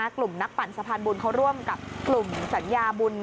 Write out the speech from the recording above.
กลุ่มนักปั่นสะพานบุญเขาร่วมกับกลุ่มสัญญาบุญ